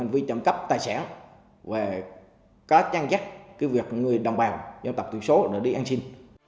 nâng cấp tài sản và có chăng chắc việc người đồng bào dân tộc tuyển số đi ăn xin